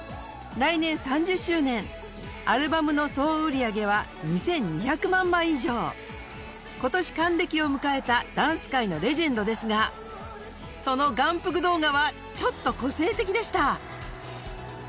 来年３０周年アルバムの総売り上げは２２００万枚以上今年還暦を迎えたダンス界のレジェンドですがその眼福動画はちょっと個性的でした